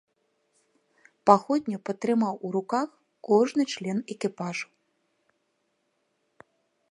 Паходню патрымаў у руках кожны член экіпажу.